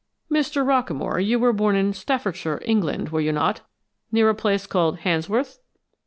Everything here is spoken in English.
"Mr. Rockamore, you were born in Staffordshire, England, were you not? Near a place called Handsworth?"